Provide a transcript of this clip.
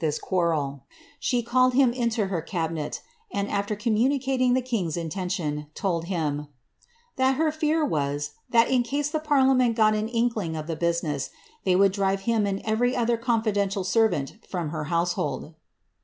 61 this quarrel ; she called him into her cabinet, and, after communicating the king's intention, told him ^ that her fear was, that in case the parlia ment got an inkling of tlie business, they would drive him and every other confidential servant from her household."